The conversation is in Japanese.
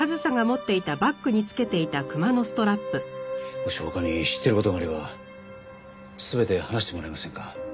もし他に知っている事があれば全て話してもらえませんか。